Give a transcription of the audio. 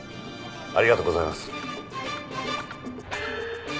ありがとうございます。